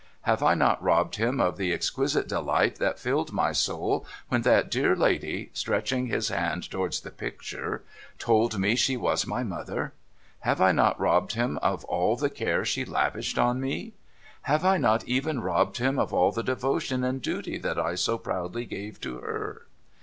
Have I not robbed him of the exquisite delight that filled my soul when that dear lady,' stretching his hand towards the picture, ' told me she was my mother ? Have I not robbed him of all the care she lavished on me ? Have I not even robbed him of all the devotion and duty that I so proudly gave to her